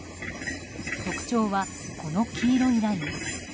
特徴はこの黄色いライン。